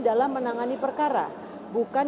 dalam menangani perkara bukan